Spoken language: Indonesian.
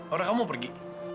oh rek aku mau pergi